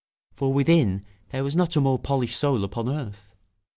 For within there was not a more polished soul upon earth.